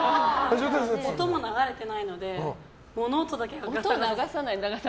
音も流れてないので物音だけがガサガサ。